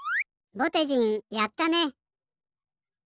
ぼてじんやったね！